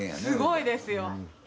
すごいですよ。